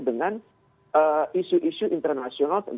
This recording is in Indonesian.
dengan isu isu internasional